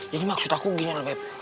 jadi maksud aku gini loh beb